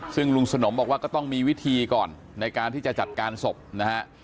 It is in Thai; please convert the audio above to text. ซึ่งลุงสนมบอกว่าก็ต้องมีวิธีก่อนในการที่จะจัดการศพนะฮะ